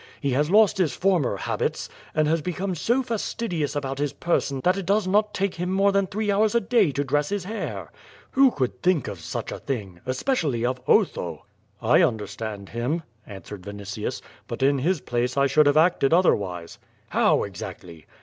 He has lost his former habits, and has become so fastidious about his person that it does not take him more than three hours a day to dress his hair. Who could think of such a thing — especially of Otho?" "I understand him," answered Vinitius, "but in his place I should have acted other\iise." "How exactly?"